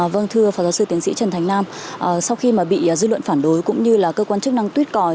vâng thưa phó giáo sư tiến sĩ trần thành nam sau khi mà bị dư luận phản đối cũng như là cơ quan chức năng tuyết còi